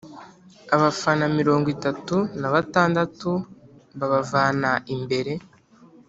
Abafana mirongo itatu na batandatu babavana imbere